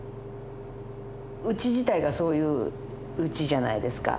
うち自体がそういううちじゃないですか。